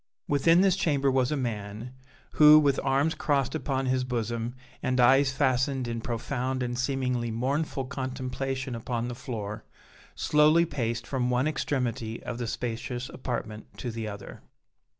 Within this chamber was a man, who, with arms crossed upon his bosom and eyes fastened in profound and seemingly mournful contemplation upon the floor, slowly paced from one extremity of the spacious apartment to the other.